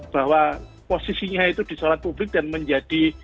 bahwa posisinya itu disolat publik dan menjadi